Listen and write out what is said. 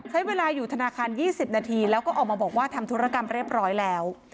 ใช้เวลาอยู่ธนาคาร๒๐นาทีแล้วก็ออกมาบอกว่าทำธุรกรรมเรียบร้อยแล้ว